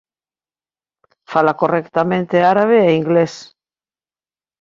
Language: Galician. Fala correctamente árabe e inglés.